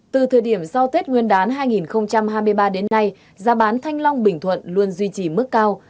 từ thời điểm sau tết nguyên đán hai nghìn hai mươi ba đến nay giá bán thanh long bình thuận luôn duy trì mức cao